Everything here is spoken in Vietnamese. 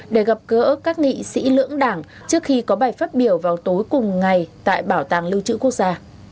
để gặp gỡ các nghị sĩ lưỡng đảng trước khi có bài phát biểu vào tối cùng ngày tại bảo tàng lưu trữ quốc gia